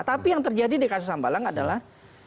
tapi yang terjadi di kasus sambalang adalah